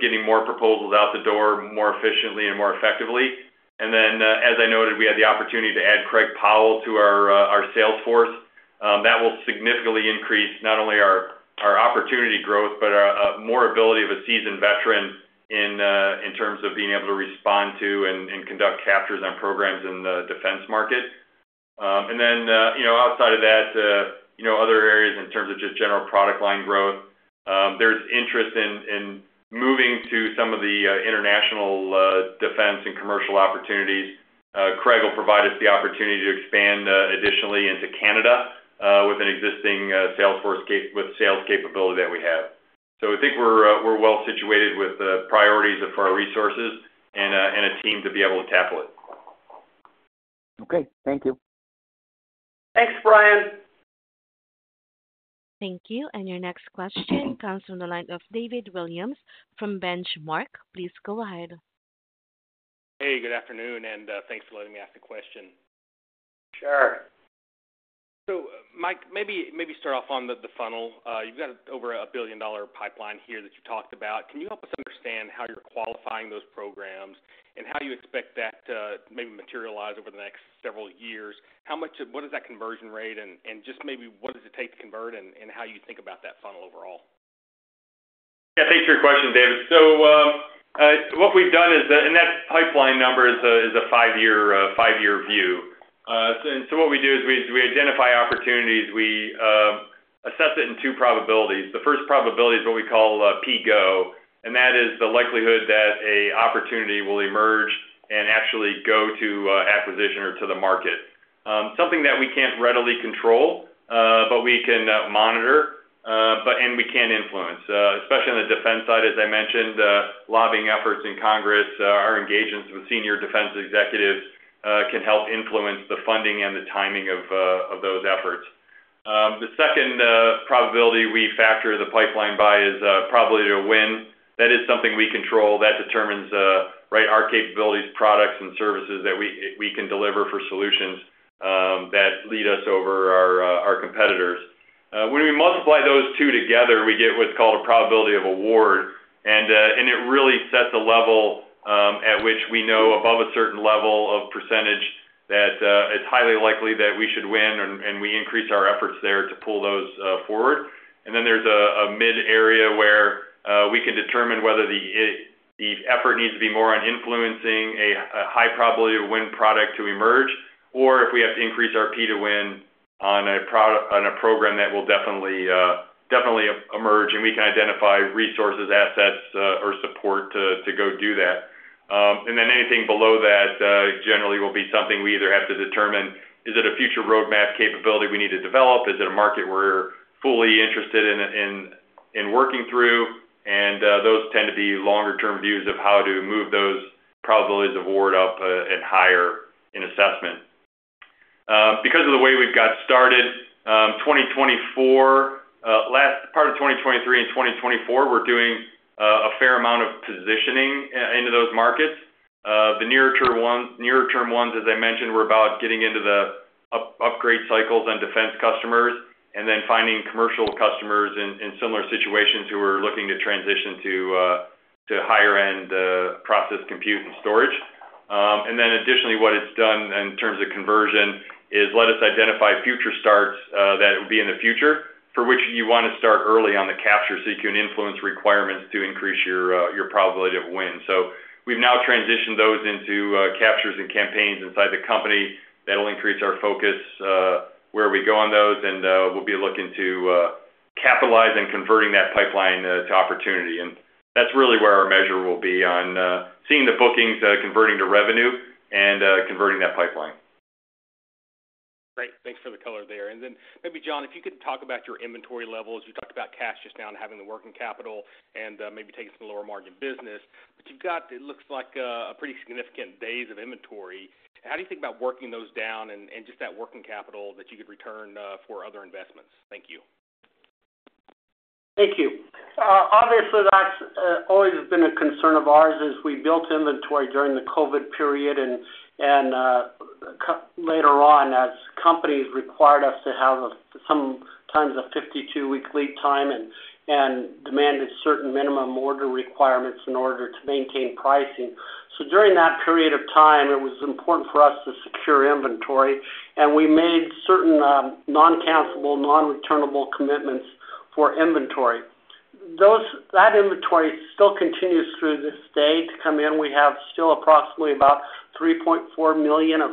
getting more proposals out the door more efficiently and more effectively. And then, as I noted, we had the opportunity to add Craig Powell to our sales force. That will significantly increase not only our opportunity growth but more ability of a seasoned veteran in terms of being able to respond to and conduct captures on programs in the defense market. And then outside of that, other areas in terms of just general product line growth, there's interest in moving to some of the international defense and commercial opportunities. Craig will provide us the opportunity to expand additionally into Canada with an existing sales force with sales capability that we have. So I think we're well situated with the priorities of our resources and a team to be able to tackle it. Okay. Thank you. Thanks, Brian. Thank you. And your next question comes from the line of David Williams from Benchmark. Please go ahead. Hey. Good afternoon. And thanks for letting me ask the question. Sure. So Mike, maybe start off on the funnel. You've got over a billion-dollar pipeline here that you've talked about. Can you help us understand how you're qualifying those programs and how you expect that to maybe materialize over the next several years? What is that conversion rate? And just maybe what does it take to convert and how you think about that funnel overall? Yeah. Thanks for your question, David. So what we've done is that and that pipeline number is a five-year view. And so what we do is we identify opportunities. We assess it in two probabilities. The first probability is what we call PGO. And that is the likelihood that an opportunity will emerge and actually go to acquisition or to the market, something that we can't readily control but we can monitor and we can influence, especially on the defense side. As I mentioned, lobbying efforts in Congress, our engagements with senior defense executives can help influence the funding and the timing of those efforts. The second probability we factor the pipeline by is probability to win. That is something we control. That determines, right, our capabilities, products, and services that we can deliver for solutions that lead us over our competitors. When we multiply those two together, we get what's called a probability of award. And it really sets a level at which we know, above a certain level of percentage, that it's highly likely that we should win, and we increase our efforts there to pull those forward. And then there's a mid-area where we can determine whether the effort needs to be more on influencing a high-probability-to-win product to emerge or if we have to increase our P to win on a program that will definitely emerge. And we can identify resources, assets, or support to go do that. And then anything below that generally will be something we either have to determine, is it a future roadmap capability we need to develop? Is it a market we're fully interested in working through? Those tend to be longer-term views of how to move those probabilities of award up and higher in assessment. Because of the way we've got started, part of 2023 and 2024, we're doing a fair amount of positioning into those markets. The near-term ones, as I mentioned, were about getting into the upgrade cycles on defense customers and then finding commercial customers in similar situations who are looking to transition to higher-end processed compute and storage. Then additionally, what it's done in terms of conversion is let us identify future starts that would be in the future for which you want to start early on the capture so you can influence requirements to increase your probability of win. We've now transitioned those into captures and campaigns inside the company. That'll increase our focus where we go on those. And we'll be looking to capitalize on converting that pipeline to opportunity. And that's really where our measure will be on seeing the bookings converting to revenue and converting that pipeline. Great. Thanks for the color there. And then maybe, John, if you could talk about your inventory levels. You talked about cash just now and having the working capital and maybe taking some lower-margin business. But you've got, it looks like, a pretty significant days of inventory. How do you think about working those down and just that working capital that you could return for other investments? Thank you. Thank you. Obviously, that's always been a concern of ours as we built inventory during the COVID period and later on as companies required us to have sometimes a 52-week lead time and demanded certain minimum order requirements in order to maintain pricing. During that period of time, it was important for us to secure inventory. We made certain non-cancellable, non-returnable commitments for inventory. That inventory still continues to this day to come in. We have still approximately about $3.4 million of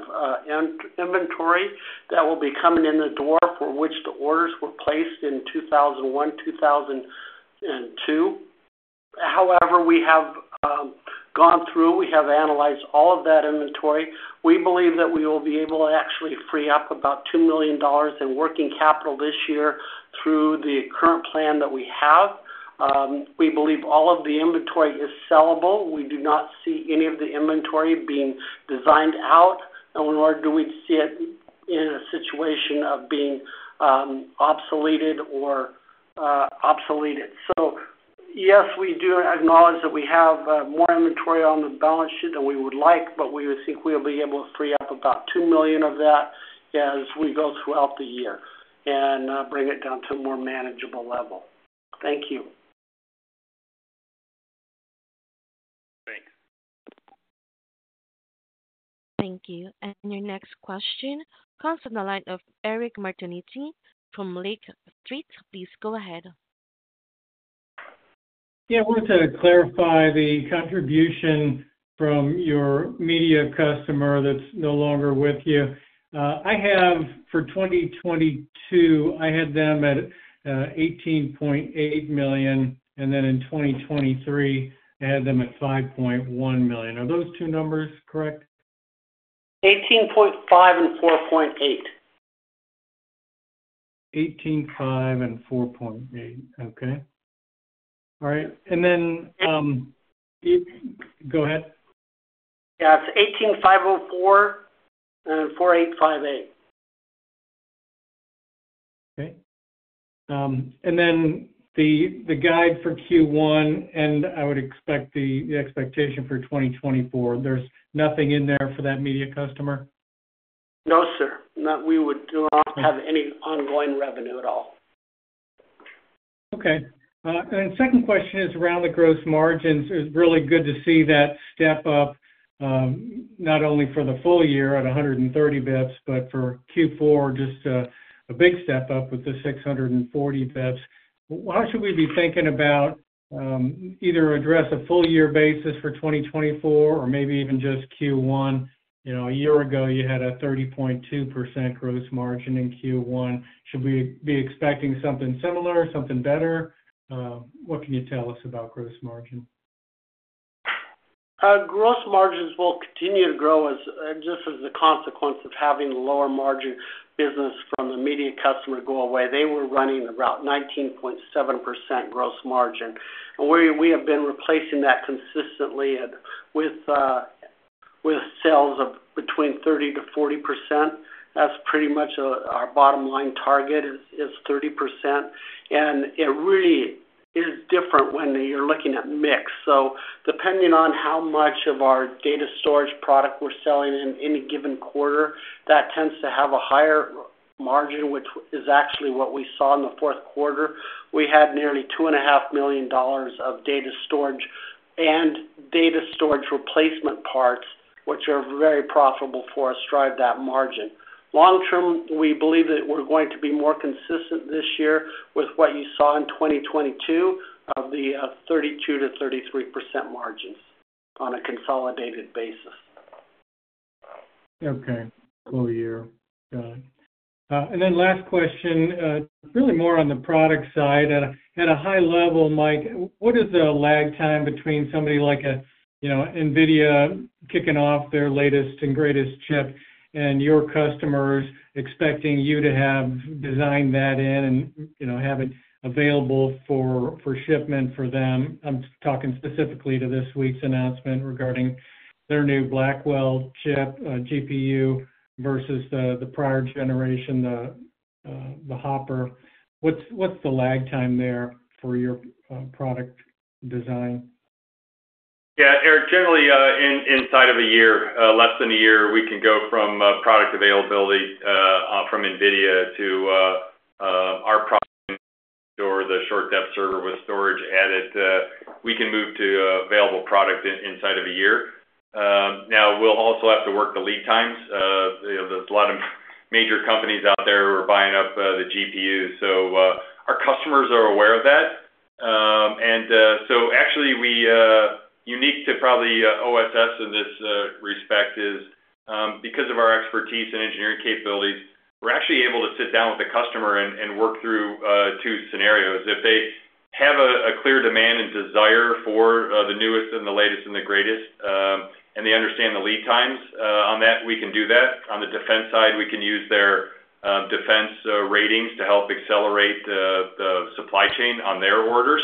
inventory that will be coming in the door for which the orders were placed in 2021, 2022. However, we have gone through. We have analyzed all of that inventory. We believe that we will be able to actually free up about $2 million in working capital this year through the current plan that we have. We believe all of the inventory is sellable. We do not see any of the inventory being designed out. Nor do we see it in a situation of being obsoleted or obsoleted. So yes, we do acknowledge that we have more inventory on the balance sheet than we would like, but we think we'll be able to free up about $2 million of that as we go throughout the year and bring it down to a more manageable level. Thank you. Thanks. Thank you. And your next question comes from the line of Eric Martinuzzi from Lake Street. Please go ahead. Yeah. I wanted to clarify the contribution from your media customer that's no longer with you. For 2022, I had them at $18.8 million. And then in 2023, I had them at $5.1 million. Are those two numbers correct? $18.5 million and $4.8 million. $18.5 million and $4.8 million. Okay. All right. And then go ahead. Yeah. It's $18.504 million and $4.858 million. Okay. And then the guide for Q1 and I would expect the expectation for 2024, there's nothing in there for that media customer? No, sir. We would not have any ongoing revenue at all. Okay. And then second question is around the gross margins. It's really good to see that step up not only for the full year at 130 basis points but for Q4, just a big step up with the 640 basis points. How should we be thinking about either address a full-year basis for 2024 or maybe even just Q1? A year ago, you had a 30.2% gross margin in Q1. Should we be expecting something similar, something better? What can you tell us about gross margin? Gross margins will continue to grow just as a consequence of having the lower-margin business from the media customer go away. They were running about 19.7% gross margin. And we have been replacing that consistently with sales of between 30%-40%. That's pretty much our bottom-line target, is 30%. And it really is different when you're looking at mix. So depending on how much of our data storage product we're selling in any given quarter, that tends to have a higher margin, which is actually what we saw in the Q4. We had nearly $2.5 million of data storage and data storage replacement parts, which are very profitable for us, drive that margin. Long term, we believe that we're going to be more consistent this year with what you saw in 2022 of the 32%-33% margins on a consolidated basis. Okay. Full year. Got it. And then last question, really more on the product side. At a high level, Mike, what is the lag time between somebody like NVIDIA kicking off their latest and greatest chip and your customers expecting you to have designed that in and have it available for shipment for them? I'm talking specifically to this week's announcement regarding their new Blackwell chip GPU versus the prior generation, the Hopper. What's the lag time there for your product design? Yeah. Generally, inside of a year, less than a year, we can go from product availability from NVIDIA to our product or the short-depth server with storage added. We can move to available product inside of a year. Now, we'll also have to work the lead times. There's a lot of major companies out there who are buying up the GPUs. So our customers are aware of that. Actually, unique to probably OSS in this respect is because of our expertise and engineering capabilities, we're actually able to sit down with the customer and work through two scenarios. If they have a clear demand and desire for the newest and the latest and the greatest and they understand the lead times on that, we can do that. On the defense side, we can use their defense ratings to help accelerate the supply chain on their orders.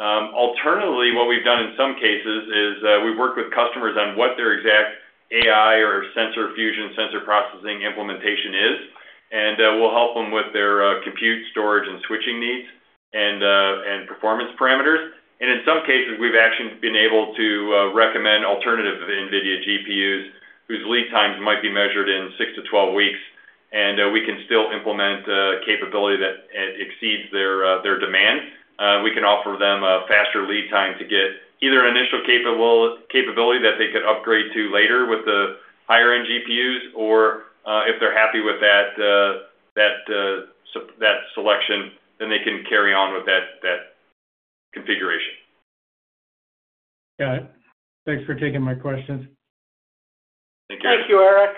Alternatively, what we've done in some cases is we've worked with customers on what their exact AI or sensor fusion, sensor processing implementation is. And we'll help them with their compute, storage, and switching needs and performance parameters. In some cases, we've actually been able to recommend alternative NVIDIA GPUs whose lead times might be measured in 6-12 weeks. We can still implement capability that exceeds their demand. We can offer them a faster lead time to get either initial capability that they could upgrade to later with the higher-end GPUs or if they're happy with that selection, then they can carry on with that configuration. Got it. Thanks for taking my questions. Thank you. Thank you, Eric.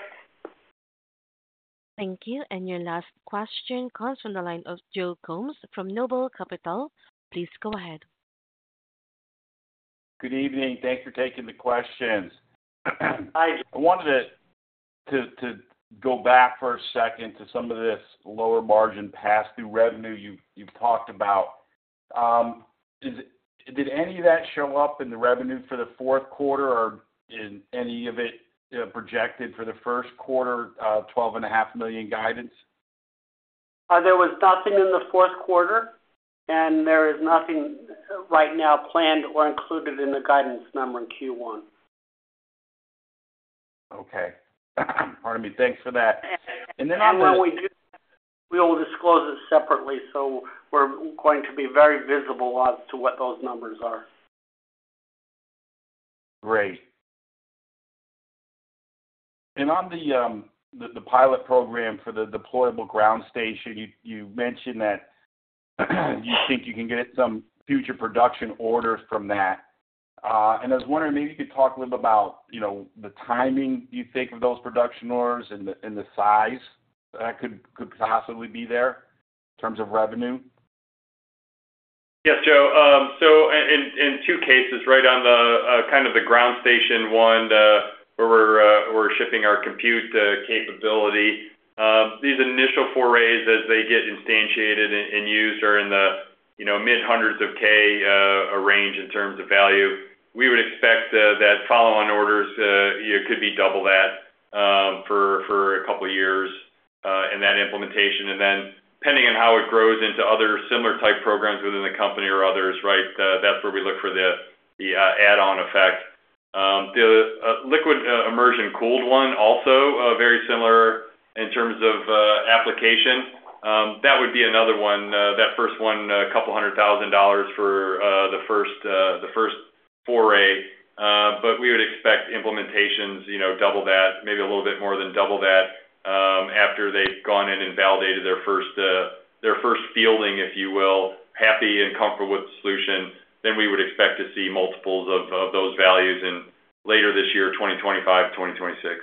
Thank you. And your last question comes from the line of Joe Gomes from Noble Capital Markets. Please go ahead. Good evening. Thanks for taking the questions. Hi. I wanted to go back for a second to some of this lower-margin pass-through revenue you've talked about. Did any of that show up in the revenue for the Q4 or is any of it projected for the Q1, $12.5 million guidance? There was nothing in the Q4. There is nothing right now planned or included in the guidance number in Q1. Okay. Pardon me. Thanks for that. And then on the... And when we do that, we will disclose it separately. So we're going to be very visible as to what those numbers are. Great. And on the pilot program for the deployable ground station, you mentioned that you think you can get some future production orders from that. And I was wondering, maybe you could talk a little bit about the timing, do you think, of those production orders and the size that could possibly be there in terms of revenue? Yes, Joe. So in two cases, right, on kind of the ground station one where we're shipping our compute capability, these initial forays as they get instantiated and used are in the mid-hundreds of thousands range in terms of value. We would expect that follow-on orders could be double that for a couple of years in that implementation. Then depending on how it grows into other similar-type programs within the company or others, right, that's where we look for the add-on effect. The liquid immersion cooled one, also very similar in terms of application, that would be another one, that first one, $200,000 for the first foray. But we would expect implementations double that, maybe a little bit more than double that after they've gone in and validated their first fielding, if you will, happy and comfortable with the solution, then we would expect to see multiples of those values later this year, 2025, 2026.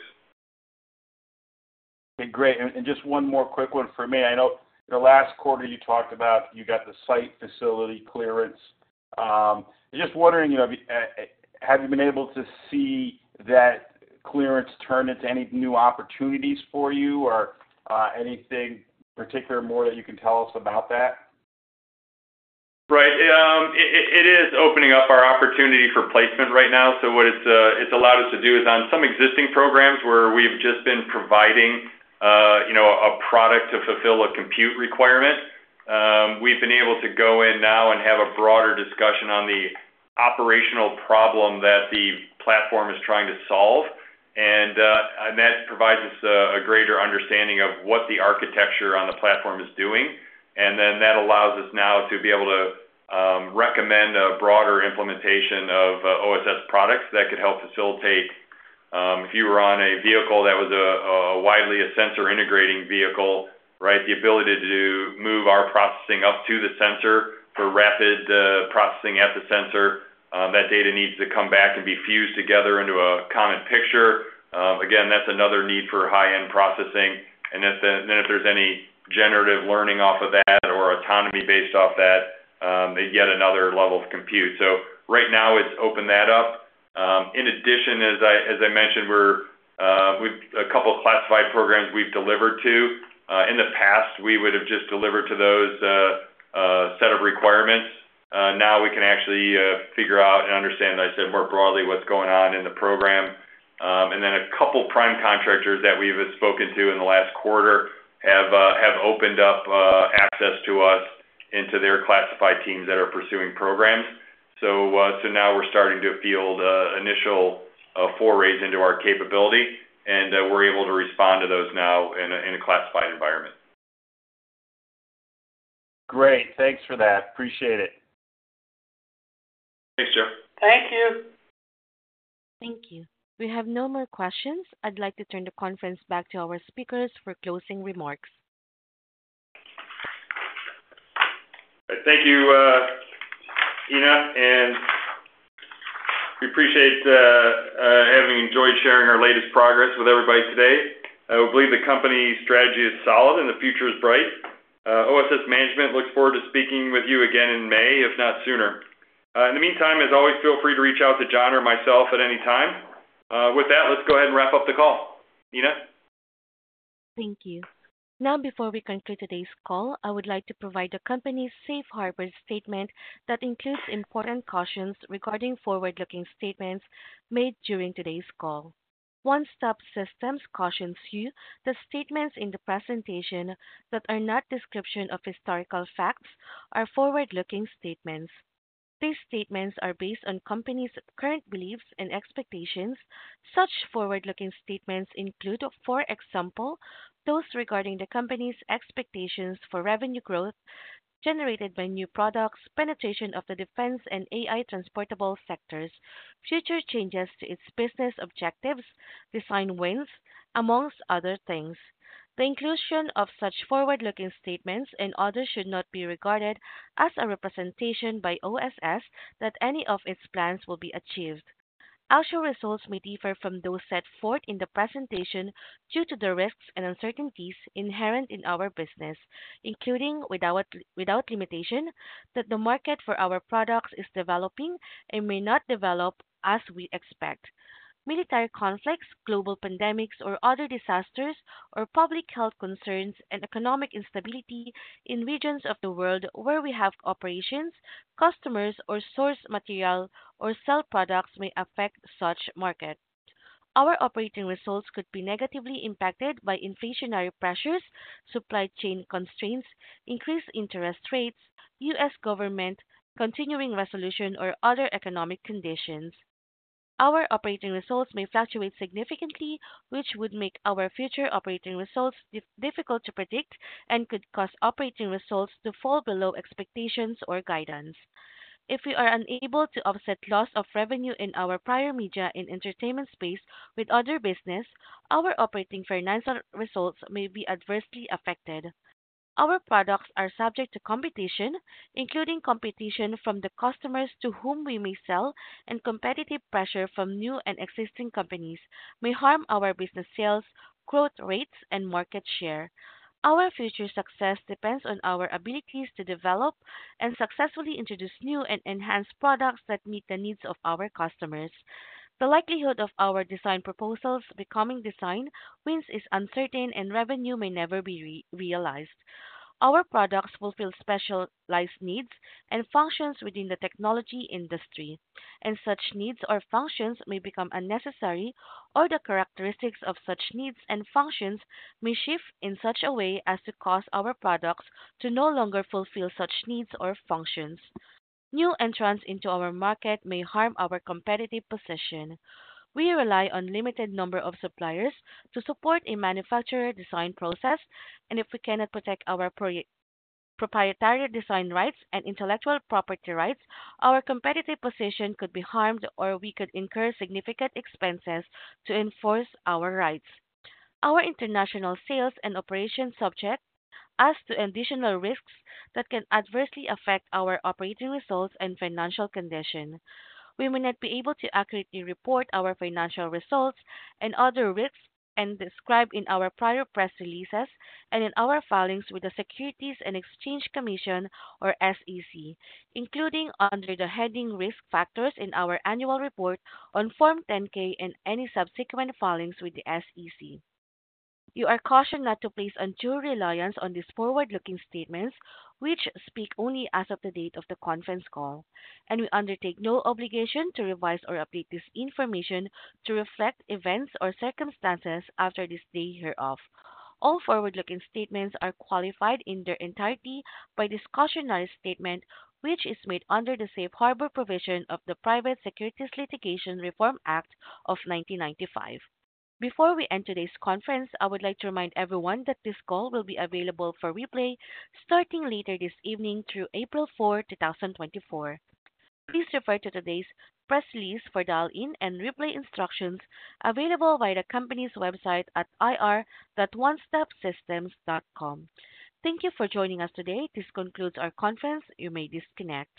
Okay. Great. And just one more quick one for me. I know in the last quarter, you talked about you got the site facility clearance. Just wondering, have you been able to see that clearance turn into any new opportunities for you or anything particular more that you can tell us about that? Right. It is opening up our opportunity for placement right now. So what it's allowed us to do is on some existing programs where we've just been providing a product to fulfill a compute requirement, we've been able to go in now and have a broader discussion on the operational problem that the platform is trying to solve. And that provides us a greater understanding of what the architecture on the platform is doing. And then that allows us now to be able to recommend a broader implementation of OSS products that could help facilitate, if you were on a vehicle that was widely a sensor-integrating vehicle, right, the ability to move our processing up to the sensor for rapid processing at the sensor. That data needs to come back and be fused together into a common picture. Again, that's another need for high-end processing. And then if there's any generative learning off of that or autonomy based off that, yet another level of compute. So right now, it's opened that up. In addition, as I mentioned, a couple classified programs we've delivered to, in the past, we would have just delivered to those a set of requirements. Now, we can actually figure out and understand, I said more broadly, what's going on in the program. And then a couple prime contractors that we've spoken to in the last quarter have opened up access to us into their classified teams that are pursuing programs. So now, we're starting to field initial forays into our capability. And we're able to respond to those now in a classified environment. Great. Thanks for that. Appreciate it. Thanks, Joe. Thank you. Thank you. We have no more questions. I'd like to turn the conference back to our speakers for closing remarks. All right. Thank you, Ena. And we appreciate having enjoyed sharing our latest progress with everybody today. I believe the company's strategy is solid, and the future is bright. OSS management looks forward to speaking with you again in May, if not sooner. In the meantime, as always, feel free to reach out to John or myself at any time. With that, let's go ahead and wrap up the call, Ena. Thank you. Now, before we conclude today's call, I would like to provide the company's safe harbor statement that includes important cautions regarding forward-looking statements made during today's call. One Stop Systems cautions you that the statements in the presentation that are not a description of historical facts are forward-looking statements. These statements are based on the company's current beliefs and expectations. Such forward-looking statements include, for example, those regarding the company's expectations for revenue growth generated by new products, penetration of the defense and AI Transportable sectors, future changes to its business objectives, design wins, among other things. The inclusion of such forward-looking statements and others should not be regarded as a representation by OSS that any of its plans will be achieved. Our actual results may differ from those set forth in the presentation due to the risks and uncertainties inherent in our business, including without limitation that the market for our products is developing and may not develop as we expect. Military conflicts, global pandemics, or other disasters, or public health concerns, and economic instability in regions of the world where we have operations, customers, or source material or sell products may affect such markets. Our operating results could be negatively impacted by inflationary pressures, supply chain constraints, increased interest rates, U.S. government continuing resolution, or other economic conditions. Our operating results may fluctuate significantly, which would make our future operating results difficult to predict and could cause operating results to fall below expectations or guidance. If we are unable to offset loss of revenue in our prior media and entertainment space with other business, our operating financial results may be adversely affected. Our products are subject to competition, including competition from the customers to whom we may sell, and competitive pressure from new and existing companies may harm our business sales, growth rates, and market share. Our future success depends on our abilities to develop and successfully introduce new and enhanced products that meet the needs of our customers. The likelihood of our design proposals becoming design wins is uncertain, and revenue may never be realized. Our products fulfill specialized needs and functions within the technology industry. And such needs or functions may become unnecessary, or the characteristics of such needs and functions may shift in such a way as to cause our products to no longer fulfill such needs or functions. New entrants into our market may harm our competitive position. We rely on a limited number of suppliers to support a manufacturer design process. And if we cannot protect our proprietary design rights and intellectual property rights, our competitive position could be harmed, or we could incur significant expenses to enforce our rights. Our international sales and operations subject us to additional risks that can adversely affect our operating results and financial condition. We may not be able to accurately report our financial results and other risks described in our prior press releases and in our filings with the Securities and Exchange Commission, or SEC, including under the heading risk factors in our annual report on Form 10-K and any subsequent filings with the SEC. You are cautioned not to place a true reliance on these forward-looking statements, which speak only as of the date of the conference call. We undertake no obligation to revise or update this information to reflect events or circumstances after this day hereof. All forward-looking statements are qualified in their entirety by this cautionary statement, which is made under the safe harbor provision of the Private Securities Litigation Reform Act of 1995. Before we end today's conference, I would like to remind everyone that this call will be available for replay starting later this evening through April 4, 2024. Please refer to today's press release for dial-in and replay instructions available via the company's website at onestopsystems.com. Thank you for joining us today. This concludes our conference. You may disconnect.